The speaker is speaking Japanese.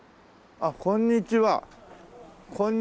あらこんにちは！